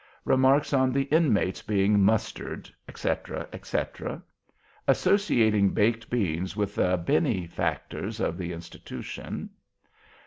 Remarks on the Inmates being mustered, etc., etc. Associating baked beans with the bene factors of the Institution.